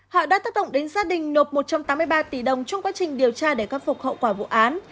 họ đã tác động đến gia đình nộp một trăm tám mươi ba tỷ đồng trong quá trình điều tra để khắc phục hậu quả vụ án